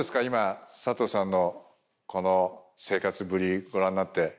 今サトウさんのこの生活ぶりご覧になって。